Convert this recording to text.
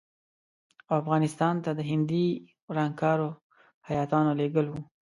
او افغانستان ته د هندي ورانکارو هیاتونه لېږل وو.